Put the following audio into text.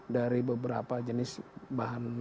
dari beberapa jenis bahan